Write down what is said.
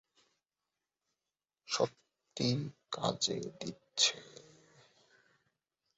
সত্যিই কাজে দিচ্ছে।